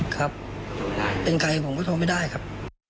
ครับเป็นใครผมก็โทรไม่ได้ครับ